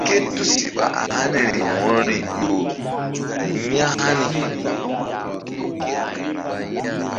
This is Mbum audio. Ké tusiɓa a haniri wo̧roi ƴo ya̧hani.